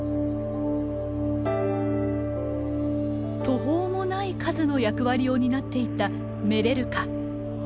途方もない数の役割を担っていたメレルカ。